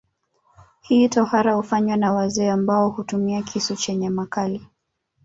Hii tohara hufanywa na wazee ambao hutumia kisu chenye makali